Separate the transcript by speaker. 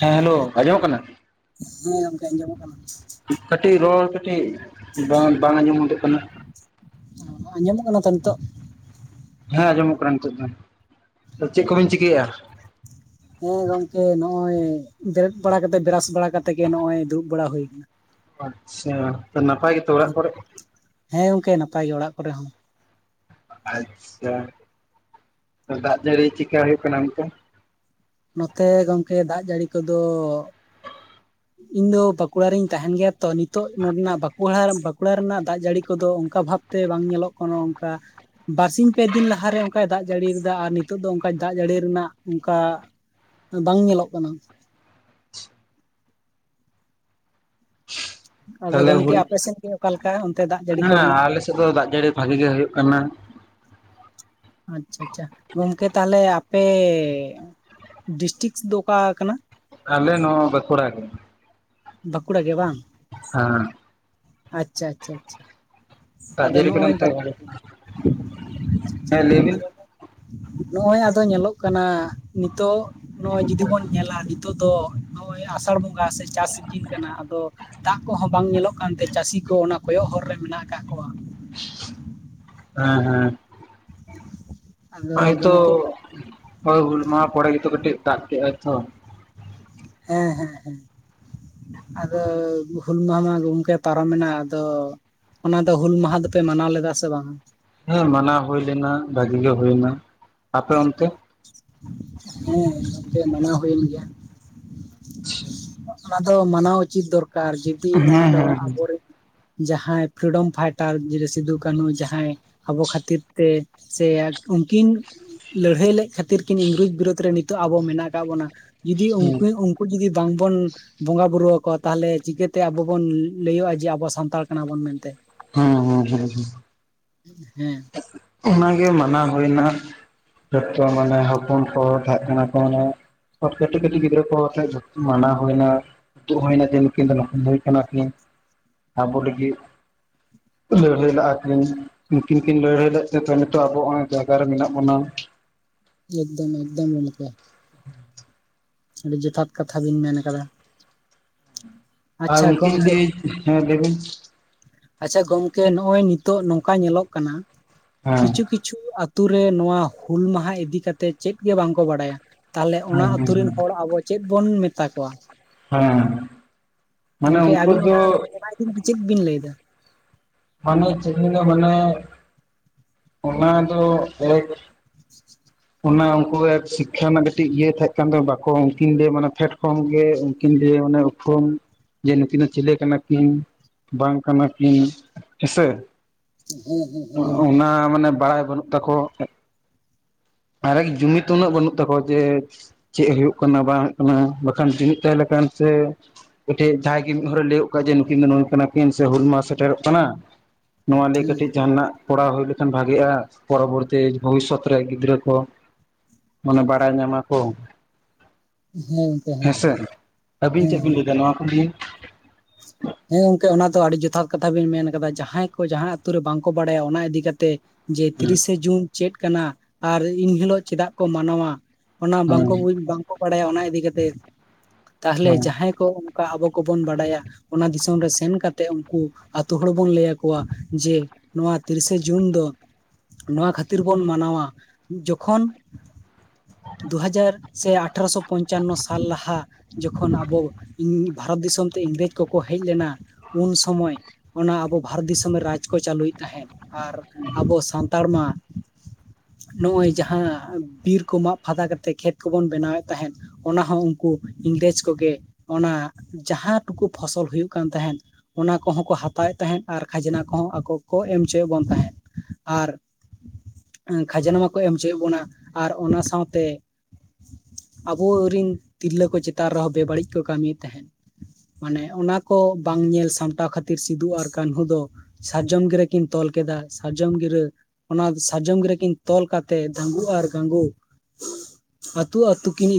Speaker 1: ᱦᱮᱸ ᱦᱮᱞᱳ ᱟᱸᱡᱚᱢᱚᱜ ᱠᱟᱱᱟ?
Speaker 2: ᱦᱮᱸ ᱜᱚᱝᱠᱮ ᱟᱸᱡᱚᱢᱚᱜ ᱠᱟᱱᱟ
Speaker 1: ᱠᱟᱹᱴᱤᱡ ᱨᱚᱲ ᱠᱟᱹᱴᱤᱡ ᱵᱟᱝ ᱵᱟᱝ ᱟᱸᱡᱚᱢ ᱦᱚᱫᱚᱜ ᱠᱟᱱᱟ
Speaker 2: ᱟᱸᱡᱚᱢᱚᱜ ᱠᱟᱱᱟ ᱛᱚ ᱱᱤᱛᱚᱜ?
Speaker 1: ᱦᱮᱸ ᱟᱸᱡᱚᱢᱚᱜ ᱠᱟᱱᱟ ᱱᱤᱛᱚᱜ ᱫᱚ ᱟᱫᱚ ᱪᱮᱫ ᱠᱚᱵᱤᱱ ᱪᱤᱠᱟᱹᱭᱟ?
Speaker 2: ᱦᱮᱸ ᱜᱚᱝᱠᱮ ᱱᱚᱜ-ᱚᱭ ᱵᱮᱨᱮᱫ ᱵᱟᱲᱟ ᱠᱟᱛᱮ ᱵᱮᱨᱟᱥ ᱵᱟᱲᱟ ᱠᱟᱛᱮ ᱜᱮ ᱱᱚᱜ-ᱚᱭ ᱫᱩᱲᱩᱵ ᱵᱟᱲᱟ ᱦᱩᱭ ᱟᱠᱟᱱᱟ
Speaker 1: ᱟᱪᱪᱷᱟ ᱛᱚ ᱱᱟᱯᱟᱭ ᱜᱮᱛᱚ ᱚᱲᱟᱜ ᱠᱚᱨᱮ?
Speaker 2: ᱦᱮᱸ ᱜᱚᱝᱠᱮ ᱱᱟᱯᱟᱭ ᱜᱮ ᱚᱲᱟᱜ ᱠᱚᱨᱮ ᱦᱚᱸ
Speaker 1: ᱟᱪᱪᱷᱟ ᱛᱚ ᱫᱟᱜ ᱡᱟᱹᱲᱤ ᱪᱮᱠᱟ ᱦᱩᱭᱩᱜ ᱠᱟᱱᱟ ᱚᱱᱛᱮ?
Speaker 2: ᱱᱚᱛᱮ ᱜᱚᱝᱠᱮ ᱫᱟᱜ ᱡᱟᱹᱲᱤ ᱠᱚᱫᱚ ᱤᱧ ᱫᱚ ᱵᱟᱸᱠᱩᱲᱟ ᱨᱤᱧ ᱛᱟᱦᱮᱱ ᱜᱮᱭᱟ ᱛᱚ ᱱᱤᱛᱚᱜ ᱱᱚᱸᱰᱮᱱᱟᱜ ᱵᱟᱸᱠᱩᱲᱟ ᱵᱟᱸᱠᱩᱲᱟ ᱨᱮᱱᱟᱜ ᱫᱟᱜ ᱡᱟᱹᱲᱤ ᱠᱚᱫᱚ ᱚᱱᱠᱟ ᱵᱷᱟᱵᱽ ᱛᱮ ᱵᱟᱝ ᱧᱮᱞᱚᱜ ᱠᱟᱱᱟ ᱚᱝᱠᱟ ᱵᱟᱨᱥᱤ ᱯᱮ ᱫᱤᱱ ᱞᱟᱦᱟᱨᱮ ᱚᱝᱠᱟᱭ ᱫᱟᱜ ᱡᱟᱹᱲᱤᱭ ᱠᱟᱫᱟ ᱟᱨ ᱱᱤᱛᱚᱜ ᱫᱚ ᱚᱝᱠᱟ ᱫᱟᱜ ᱡᱟᱹᱲᱤ ᱨᱮᱱᱟᱜ ᱚᱝᱠᱟ ᱵᱟᱝ ᱧᱮᱞᱚᱜ ᱠᱟᱱᱟ ᱟᱫᱚ
Speaker 1: ᱛᱟᱦᱚᱞᱮ
Speaker 2: ᱜᱚᱝᱠᱮ
Speaker 1: ᱦᱩᱞ
Speaker 2: ᱟᱯᱮᱥᱮᱫ ᱜᱮ ᱚᱠᱟᱞᱮᱠᱟ ᱚᱱᱛᱮ ᱫᱟᱜ ᱡᱟᱹᱲᱤ ᱠᱚᱨᱮᱱᱟᱜ
Speaker 1: ᱦᱤᱛᱳᱜ ᱫᱚ ᱫᱟᱜ ᱡᱟᱹᱲᱤ ᱵᱷᱟᱜᱤ ᱜᱮ ᱦᱩᱭᱩᱜ ᱠᱟᱱᱟ᱾
Speaker 2: ᱟᱪᱪᱷᱟ ᱟᱪᱪᱷᱟ ᱜᱚᱝᱠᱮ ᱛᱟᱦᱚᱞᱮ ᱟᱯᱮ ᱰᱤᱥᱴᱤᱠ ᱫᱚ ᱚᱠᱟ ᱠᱟᱱᱟ
Speaker 1: ᱟᱞᱮ ᱱᱚᱣᱟ ᱵᱟᱠᱩᱲᱟ ᱜᱮ
Speaker 2: ᱵᱟᱸᱠᱩᱲᱟ ᱜᱮ ᱵᱟᱝ
Speaker 1: ᱦᱟᱸ
Speaker 2: ᱟᱪᱪᱷᱟ ᱟᱪᱪᱷᱟ ᱟᱪᱪᱷᱟ
Speaker 1: ᱫᱟᱜ
Speaker 2: ᱟᱫᱚ
Speaker 1: ᱡᱟᱹᱲᱤ ᱠᱚᱫᱚ
Speaker 2: ᱱᱚᱜᱼᱚᱭ
Speaker 1: ᱚᱱᱛᱮ
Speaker 2: ᱵᱟ
Speaker 1: ᱵᱷᱟᱜᱮ ᱜᱮ᱾ ᱦᱮᱸ ᱞᱟᱹᱭ ᱵᱤᱱ
Speaker 2: [unintelligible] ᱱᱚᱜᱼᱚᱭ ᱟᱫᱚ ᱧᱮᱞᱚᱜ ᱠᱟᱱᱟ ᱱᱤᱛᱳᱜ ᱱᱚᱜᱚᱭ ᱡᱩᱫᱤ ᱵᱚᱱ ᱧᱮᱞᱟ ᱱᱤᱛᱚᱜ ᱫᱚ ᱱᱚᱜ ᱚᱭ ᱟᱥᱟᱲ ᱵᱚᱸᱜᱟ ᱥᱮ ᱪᱟᱥ ᱥᱤᱡᱤᱱ ᱠᱟᱱᱟ ᱟᱫᱚ ᱫᱟᱜ ᱠᱚᱦᱚᱸ ᱵᱟᱝ ᱧᱮᱞᱚᱜ ᱠᱟᱱᱛᱮ ᱪᱟᱹᱥᱤ ᱠᱚ ᱚᱱᱟ ᱠᱚᱭᱚᱜ ᱦᱚᱨ ᱨᱮ ᱢᱮᱱᱟᱜ ᱟᱠᱟᱫ ᱠᱚᱣᱟ
Speaker 1: ᱦᱮᱸ ᱦᱮᱸ᱾
Speaker 2: ᱟᱫᱚ
Speaker 1: ᱦᱚᱭ ᱛᱚ,
Speaker 2: ᱜᱚᱝᱠᱮ
Speaker 1: ᱦᱳᱭ ᱦᱩᱞ ᱢᱟᱦᱟ ᱯᱚᱨᱮ ᱜᱮᱛᱚ ᱠᱟᱹᱴᱤᱡ ᱫᱟᱜ ᱠᱮᱫᱟᱭ ᱛᱚ᱾
Speaker 2: ᱦᱮᱸ ᱦᱮᱸ ᱦᱮᱸ᱾ ᱟᱫᱚ ᱦᱩᱞ ᱢᱟᱦᱟ ᱢᱟ ᱜᱚᱢᱠᱮ ᱯᱟᱨᱚᱢ ᱮᱱᱟ᱾ ᱟᱫᱚ ᱚᱱᱟ ᱫᱚ ᱦᱩᱞ ᱢᱟᱦᱟ ᱫᱚᱯᱮ ᱢᱟᱱᱟᱣ ᱞᱮᱫᱟ ᱥᱮ ᱵᱟᱝ?
Speaker 1: ᱦᱮᱸ ᱢᱟᱱᱟᱣ ᱦᱩᱭ ᱞᱮᱱᱟ, ᱵᱷᱟᱹᱜᱤ ᱜᱮ ᱦᱩᱭᱱᱟ᱾ ᱟᱯᱮ ᱚᱱᱛᱮ?
Speaker 2: ᱦᱮᱸ ᱜᱚᱝᱠᱮ ᱢᱟᱱᱟᱣ ᱦᱩᱭᱮᱱ ᱜᱮᱭᱟ᱾
Speaker 1: ᱟᱪᱪᱷᱟ
Speaker 2: ᱚᱱᱟ ᱫᱚ ᱢᱟᱱᱟᱣ ᱩᱪᱤᱛ ᱫᱚᱨᱠᱟᱨ, ᱡᱩᱫᱤ
Speaker 1: ᱦᱮᱸ ᱦᱮᱸ
Speaker 2: ᱚᱱᱟ ᱫᱚ
Speaker 1: ᱦᱮᱸ
Speaker 2: ᱟᱵᱚ ᱨᱮᱱ ᱡᱟᱦᱟᱸᱭ ᱯᱷᱨᱤᱰᱚᱢ ᱯᱷᱟᱭᱴᱟᱨ ᱥᱤᱫᱩ-ᱠᱟᱹᱱᱩ ᱡᱟᱦᱟᱸᱭ ᱟᱵᱚ ᱠᱷᱟᱹᱛᱤᱨ ᱛᱮ ᱥᱮ ᱩᱱᱠᱤᱱ ᱞᱟᱹᱲᱦᱟᱹᱭ ᱞᱮᱫ ᱠᱷᱟᱹᱛᱤᱨ ᱠᱤᱱ ᱤᱝᱨᱮᱡᱽ ᱵᱤᱨᱳᱫᱽ ᱨᱮ ᱱᱤᱛᱚᱜ ᱟᱵᱚ ᱢᱮᱱᱟᱜ ᱟᱠᱟᱫ ᱵᱚᱱᱟ᱾ ᱡᱩᱫᱤ ᱩᱱᱠᱩ ᱩᱱᱠᱩ ᱡᱩᱫᱤ ᱵᱟᱝᱵᱚᱱ ᱵᱚᱸᱜᱟ ᱵᱩᱨᱩ ᱟᱠᱚ, ᱛᱟᱦᱚᱞᱮ ᱪᱤᱠᱟᱹᱛᱮ ᱟᱵᱚ ᱵᱚᱱ ᱞᱟᱹᱭᱟᱹᱜᱼᱟ ᱡᱮ ᱟᱵᱚ ᱥᱟᱱᱛᱟᱲ ᱠᱟᱱᱟ ᱵᱚᱱ ᱢᱮᱱᱛᱮ?
Speaker 1: ᱦᱩᱸ ᱦᱩᱸ ᱦᱩᱸ ᱦᱩᱸ᱾
Speaker 2: ᱦᱮᱸ᱾
Speaker 1: ᱚᱱᱟ ᱜᱮ ᱢᱟᱱᱟᱣ ᱦᱩᱭᱱᱟ᱾ ᱡᱚ ᱢᱟᱱᱮ ᱦᱚᱯᱚᱱ ᱠᱚ ᱛᱟᱦᱮᱸ ᱠᱟᱱᱟ ᱠᱚ ᱢᱟᱱᱮ ᱠᱟᱹᱴᱤᱡ ᱠᱟᱹᱴᱤᱡ ᱜᱤᱫᱽᱨᱟᱹ ᱠᱚ ᱟᱛᱮ, ᱢᱟᱱᱟ ᱦᱩᱭᱱᱟ᱾ ᱫᱩ ᱦᱩᱭᱱᱟ ᱠᱤᱱ ᱱᱩᱠᱤᱱ ᱫᱚᱠᱷ ᱦᱩᱭ ᱠᱟᱱᱟ ᱠᱤᱱ ᱟᱵᱚ ᱞᱟᱹᱜᱤᱫ᱾ ᱞᱟᱹᱲᱦᱟ. ᱭ ᱞᱟᱜ ᱠᱤᱱ᱾ ᱩᱱᱠᱤᱱ ᱠᱤᱱ ᱞᱟᱹᱲᱦᱟᱹᱭ ᱞᱮᱫ ᱛᱮ, ᱱᱤᱛᱚᱜ ᱟᱵᱚ ᱚᱱᱟ ᱡᱟᱭᱜᱟ ᱨᱮ ᱢᱮᱱᱟᱜ ᱵᱚᱱᱟ᱾
Speaker 2: ᱮᱠᱫᱚᱢ ᱮᱠᱫᱚᱢ ᱜᱚᱢᱠᱮ᱾ ᱟᱹᱰᱤ ᱡᱚᱛᱷᱟᱛ ᱠᱟᱛᱷᱟ ᱵᱤᱱ ᱢᱮᱱ ᱟᱠᱟᱫᱟ᱾
Speaker 1: ᱟᱨ
Speaker 2: ᱟᱪᱪᱷᱟ
Speaker 1: ᱩᱱᱠᱤᱱ
Speaker 2: ᱜᱚᱢᱠᱮ
Speaker 1: ᱦᱮᱸ ᱞᱟᱹᱭ ᱵᱤᱱ
Speaker 2: ᱟᱪᱪᱷᱟ ᱜᱚᱝᱠᱮ ᱱᱚᱜᱼᱚᱭ ᱱᱤᱛᱚᱜ ᱱᱚᱝᱠᱟ ᱧᱮᱞᱚᱜ ᱠᱟᱱᱟ,
Speaker 1: ᱦᱮᱸ
Speaker 2: ᱠᱤᱪᱷᱩ ᱠᱤᱪᱷᱩ ᱠᱤᱪᱷᱩ ᱟᱹᱛᱩ ᱨᱮ ᱱᱚᱣᱟ ᱦᱩᱞ ᱢᱟᱦᱟ ᱤᱫᱤ ᱠᱟᱛᱮᱫ ᱪᱮᱫ ᱜᱮ ᱵᱟᱝ ᱠᱚ ᱵᱟᱰᱟᱭᱟ? ᱛᱟᱦᱚᱞᱮ ᱚᱱᱟ
Speaker 1: ᱦᱮᱸ
Speaker 2: ᱟᱹᱛᱩ ᱨᱮᱱ
Speaker 1: ᱦᱮᱸ
Speaker 2: ᱦᱚᱲ ᱟᱵᱚ ᱪᱮᱫ ᱵᱚᱱ ᱢᱮᱛᱟ ᱠᱚᱣᱟ?
Speaker 1: ᱦᱮᱸ ᱢᱟᱱᱮ
Speaker 2: ᱜᱚᱝᱠᱮ
Speaker 1: ᱩᱱᱠᱩ
Speaker 2: ᱟᱵᱤᱱ
Speaker 1: ᱫᱚ
Speaker 2: ᱚᱱᱟ ᱚᱱᱟ ᱤᱫᱤ ᱠᱟᱛᱮ ᱪᱮᱫ ᱵᱤᱱ ᱞᱟᱹᱭ ᱮᱫᱟ?
Speaker 1: ᱢᱟᱱᱮ ᱪᱮᱫ ᱞᱤᱧ ᱫᱚ ᱢᱟᱱᱮ ᱚᱱᱟ ᱫᱚ [inaudible] ᱚᱱᱟ ᱩᱱᱠᱩ ᱥᱤᱠᱠᱷᱟ ᱨᱮᱱᱟᱜ ᱠᱟᱹᱴᱤᱡ ᱤᱭᱟᱹ ᱛᱟᱦᱮᱸ ᱠᱟᱱ ᱫᱚ ᱵᱟᱠᱚ ᱩᱱᱠᱤᱱ ᱫᱤᱭᱮ ᱢᱟᱱᱮ ᱯᱷᱮᱰ ᱠᱷᱚᱱ ᱜᱮ, ᱩᱱᱠᱤᱱ ᱫᱤᱭᱮ ᱢᱟᱱᱮ ᱠᱷᱚᱱ ᱡᱮ ᱱᱩᱠᱤᱱ ᱫᱚ ᱪᱤᱞᱮ ᱠᱟᱱᱟ ᱠᱤᱱ ᱵᱟᱝ ᱠᱟᱱᱟ ᱠᱤᱱ? ᱦᱮᱸᱥᱮ,
Speaker 2: ᱦᱮᱸ ᱦᱮᱸ
Speaker 1: ᱚᱱᱟ ᱢᱟᱱᱮ ᱵᱟᱲᱟᱭ ᱵᱟᱹᱱᱩᱜ ᱛᱟᱠᱚ? ᱟᱨᱮ ᱡᱩᱢᱤᱫ ᱩᱱᱟᱹᱜ ᱵᱟᱹᱱᱩᱜ ᱛᱟᱠᱚᱣᱟ ᱡᱮ ᱪᱮᱫ ᱦᱩᱭᱩᱜ ᱠᱟᱱᱟ ᱵᱟᱝ ᱦᱩᱭᱩᱜ ᱠᱟᱱᱟ? ᱵᱟᱠᱷᱟᱱ ᱡᱩᱢᱤᱫ ᱛᱟᱦᱮᱸ ᱞᱮᱠᱷᱟᱱ ᱥᱮ ᱢᱤᱫᱴᱮᱡ ᱡᱟᱦᱟᱸᱭ ᱜᱮ ᱢᱤᱫ ᱦᱚᱲᱮ ᱞᱟᱹᱭᱟᱜ ᱠᱟᱱᱟ ᱡᱮ ᱱᱩᱠᱤᱱ ᱫᱚ ᱱᱩᱭ ᱠᱟᱱᱟ ᱠᱤᱱ ᱥᱮ ᱦᱩᱞ ᱢᱟᱦᱟᱸ ᱥᱮᱴᱮᱨᱚᱜ ᱠᱟᱱᱟ ᱾ ᱱᱚᱣᱟ ᱞᱟᱹᱭ ᱠᱟᱹᱴᱤᱡ ᱡᱟᱦᱟᱸᱱᱟᱜ ᱠᱚᱨᱟᱣ ᱦᱩᱭ ᱞᱮᱠᱷᱟᱱ ᱵᱷᱟᱹᱜᱤᱜᱼᱟ᱾ ᱯᱚᱨᱚᱵᱚᱨᱛᱤ ᱵᱷᱚᱵᱤᱥᱚᱛ ᱨᱮ ᱜᱤᱫᱽᱨᱟᱹ ᱠᱚ ᱢᱟᱱᱮ ᱵᱟᱲᱟᱭ ᱧᱟᱢᱟ ᱠᱚ᱾ ᱦᱮᱸ ᱥᱮ᱾ ᱟᱹᱵᱤᱱ
Speaker 2: ᱦᱮᱸ
Speaker 1: ᱪᱮᱫ ᱵᱤᱱ
Speaker 2: ᱦᱮᱸ
Speaker 1: ᱞᱟᱹᱭ ᱮᱫᱟ ᱱᱚᱣᱟ ᱠᱚ ᱱᱤᱭᱮ?
Speaker 2: ᱦᱮᱸ ᱜᱚᱝᱠᱮ ᱚᱱᱟ ᱫᱚ ᱟᱹᱰᱤ ᱡᱚᱛᱷᱟᱛ ᱠᱟᱛᱷᱟ ᱵᱮᱱ ᱢᱮᱱ ᱠᱟᱫᱟ᱾ ᱡᱟᱦᱟᱸᱭ ᱠᱚ ᱡᱟᱦᱟᱸ ᱟᱹᱛᱩ ᱨᱮ ᱵᱟᱝ ᱠᱚ ᱵᱟᱲᱟᱭᱟ᱾ ᱚᱱᱟ ᱤᱫᱤ ᱠᱟᱛᱮ ᱡᱮ ᱛᱤᱨᱤᱥᱮ ᱡᱩᱱ ᱪᱮᱫ ᱠᱟᱱᱟ ᱟᱨ ᱮᱱᱦᱤᱞᱚᱜ ᱪᱮᱫᱟᱜ ᱠᱚ ᱢᱟᱱᱟᱣᱟ? ᱚᱱᱟ
Speaker 1: ᱦᱩᱸ
Speaker 2: ᱵᱟᱝ ᱠᱚ
Speaker 1: ᱦᱮᱸ
Speaker 2: ᱵᱟᱝ ᱠᱚ ᱵᱟᱲᱟᱭᱟ ᱚᱱᱟ ᱤᱫᱤ ᱠᱟᱛᱮ ᱛᱟᱦᱚᱞᱮ
Speaker 1: ᱦᱮᱸ
Speaker 2: ᱡᱟᱦᱟᱸᱭ ᱠᱚ ᱚᱱᱠᱟ ᱟᱵᱚ ᱠᱚᱵᱚᱱ ᱵᱟᱰᱟᱭᱟ᱾ ᱚᱱᱟ ᱫᱤᱥᱚᱢ ᱨᱮ ᱥᱮᱱ ᱠᱟᱛᱮᱜ ᱩᱱᱠᱩ ᱟᱛᱳ ᱦᱚᱲ ᱵᱚᱱ ᱞᱟᱹᱭ ᱟᱠᱚᱣᱟ ᱡᱮ, ᱱᱚᱣᱟ ᱛᱤᱨᱤᱥᱮ ᱡᱩᱱ ᱫᱚ ᱱᱚᱣᱟ ᱠᱷᱟᱹᱛᱤᱨ ᱵᱚᱱ ᱢᱟᱱᱟᱣᱟ ᱡᱚᱠᱷᱚᱱᱼ- ᱫᱩ ᱦᱟᱡᱟᱨ ᱥᱮ ᱟᱴᱷᱟᱨᱚ ᱥᱚ ᱯᱚᱧᱪᱟᱱᱱᱚ ᱥᱟᱞ ᱞᱟᱦᱟ ᱡᱚᱠᱷᱚᱱ ᱟᱵᱚ ᱤᱝ ᱵᱷᱟᱨᱚᱛ ᱫᱤᱥᱚᱢ ᱛᱮ ᱤᱝᱨᱮᱡᱽ ᱠᱚᱠᱚ ᱦᱮᱡ ᱞᱮᱱᱟ ᱩᱱ ᱥᱚᱢᱚᱭ ᱚᱱᱟ ᱟᱵᱚ ᱵᱷᱟᱨᱚᱛ ᱫᱤᱥᱚᱢ ᱨᱟᱡᱽ ᱠᱚ ᱪᱟᱹᱞᱩᱭᱮᱫ ᱛᱟᱦᱮᱸᱫ ᱾ ᱟᱨ ᱟᱵᱚ ᱥᱟᱱᱛᱟᱲ ᱢᱟ -ᱼ ᱱᱚᱜᱼᱚᱭ ᱡᱟᱦᱟᱸ ᱵᱤᱨ ᱠᱚ ᱢᱟᱜ ᱯᱷᱟᱫᱟ ᱠᱟᱛᱮᱜ ᱠᱷᱮᱛ ᱠᱚᱵᱚᱱ ᱵᱮᱱᱟᱣᱮᱫ ᱛᱟᱦᱮᱸᱫ ᱚᱱᱟᱦᱚᱸᱩᱱᱠᱩ ᱤᱝᱨᱮᱡᱽ ᱠᱚᱜᱮ ᱚᱱᱟ ᱡᱟᱦᱟᱸ ᱴᱩᱠᱩ ᱯᱷᱚᱥᱚᱞ ᱦᱳᱭᱳᱜ ᱠᱟᱱ ᱛᱟᱦᱮᱸ ᱚᱱᱟ ᱠᱚᱦᱚᱸ ᱠᱚ ᱦᱟᱛᱟᱣᱮᱫ ᱛᱟᱦᱮᱸᱫ ᱟᱨ ᱠᱷᱟᱡᱽᱱᱟ ᱠᱚᱦᱚᱸ ᱟᱠᱚ ᱠᱚ ᱮᱢ ᱦᱚᱪᱚᱭᱮᱫ ᱵᱚᱱ ᱛᱟᱦᱮᱸ ᱾ ᱟᱨ ᱮᱯᱪ ᱠᱷᱟᱡᱽᱱᱟ ᱢᱟᱠᱚ ᱮᱢ ᱦᱚᱪᱚᱭᱮᱫ ᱵᱚᱱᱟ ᱟᱨ ᱚᱱᱟ ᱥᱟᱶᱛᱮ -ᱼ ᱮᱯᱪ, ᱟᱵᱚ ᱨᱤᱱ ᱛᱤᱨᱞᱟᱹ ᱠᱚ ᱪᱮᱛᱟᱱ ᱨᱮᱦᱚᱸ ᱵᱮᱹᱵᱟᱹᱲᱤᱡ ᱠᱚ ᱠᱟᱹᱢᱤᱭᱮᱫ ᱛᱟᱦᱮᱸᱫ ᱾ ᱢᱟᱱᱮ, ᱚᱱᱟ ᱠᱚ ᱵᱟᱝ ᱧᱮᱞ ᱥᱟᱢᱴᱟᱣ ᱠᱷᱟᱹᱛᱤᱨ ᱥᱤᱫᱩ ᱟᱨ ᱠᱟᱹᱱᱦᱩ ᱫᱚ ᱥᱟᱨᱡᱚᱢ ᱜᱤᱨᱟᱹ ᱠᱤᱱ ᱛᱚᱞ ᱠᱮᱫᱟ ᱥᱟᱨᱡᱚᱢ ᱜᱤᱨᱟᱹ ᱾ ᱚᱱᱟ ᱥᱟᱨᱡᱚᱢ ᱜᱤᱨᱟᱹ ᱠᱤᱱ ᱛᱚᱞ ᱠᱟᱛᱮ ᱫᱷᱟᱸᱩ ᱟᱨ ᱜᱟᱸᱜᱩ
Speaker 1: [inaudible]
Speaker 2: ᱟᱹᱛᱩ ᱟᱹᱛᱩ ᱠᱤᱱ